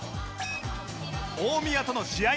大宮との試合